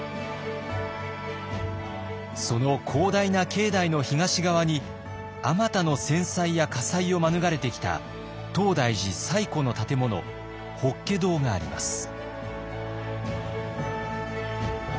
その広大な境内の東側にあまたの戦災や火災を免れてきた東大寺最古の建物法華堂があります。